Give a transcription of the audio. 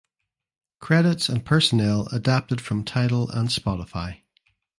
Credits and personnel adapted from Tidal and Spotify.